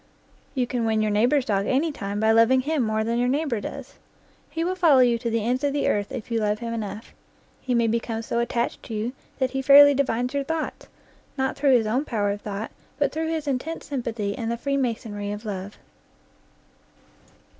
You can win your neighbor's dog any time by loving him more than your neighbor does. He will follow you to the ends of the earth if you love him enough. He may become so attached to you that he fairly divines your thoughts, not through his own power of thought, but through his intense sympathy and the free masonry of love.